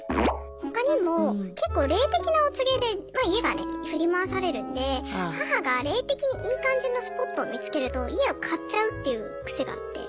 他にもけっこう霊的なお告げで家がね振り回されるんで母が霊的にいい感じのスポットを見つけると家を買っちゃうっていうクセがあって。